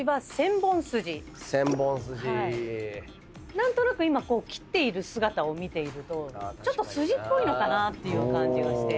何となく今切っている姿を見ているとちょっと筋っぽいのかなっていう感じがして。